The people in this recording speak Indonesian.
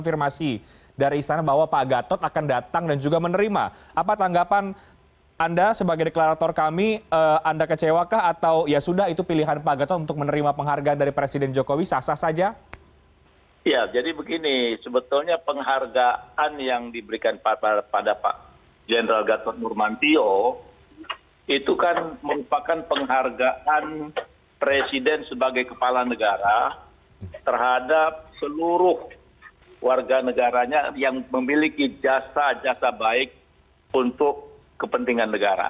pada pak general gatot nurmantio itu kan merupakan penghargaan presiden sebagai kepala negara terhadap seluruh warga negaranya yang memiliki jasa jasa baik untuk kepentingan negara